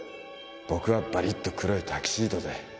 僕はバリッと黒いタキシードで